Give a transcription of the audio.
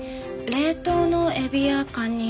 冷凍のエビやカニ